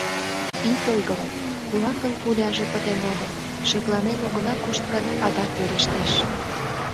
— Ит ойгыро, кулакын пуляже пытен огыл, шекланен огына кошт гын, адак верештеш.